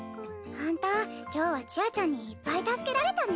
ホント今日はちあちゃんにいっぱい助けられたね。